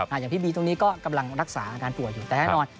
อย่างพี่บีที่กำลังรักษาการปัวอยู่แต่แน่นอน